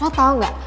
lo tau gak